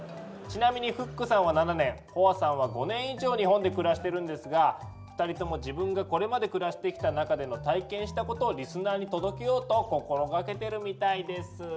ちなみにフックさんは７年ホアさんは５年以上日本で暮らしてるんですが２人とも自分がこれまで暮らしてきた中での体験したことをリスナーに届けようと心掛けてるみたいです。